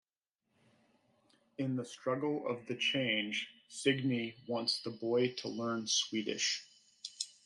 In the struggle of the change Signe wants the boy to learn Swedish.